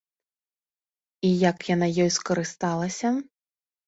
І як яна ёй скарысталася?